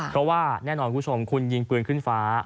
เพราะว่าแน่นอนคุณผู้ชมคุณยิงปืนขึ้นฟ้า